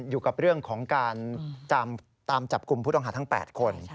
อยู่กับเรื่องของการตามจับกลุ่มผู้ต้องหาทั้ง๘คน